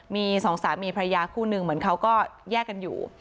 มีสองสามีพระยาคู่หนึ่งเหมือนเขาก็แยกกันอยู่